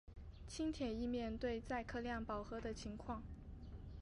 轻铁亦面对载客量饱和的情况。